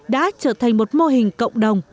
đã trở thành một mô hình cộng đồng